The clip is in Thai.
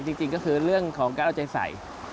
จริงก็คือเรื่องของการเอาใจใส่